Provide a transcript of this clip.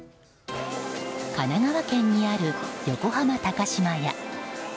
神奈川県にある横浜高島屋。